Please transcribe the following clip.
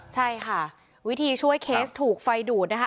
ใช่ค่ะวิธีช่วยเคสถูกไฟดูดนะคะ